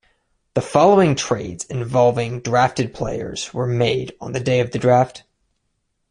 The following trades involving drafted players were made on the day of the draft.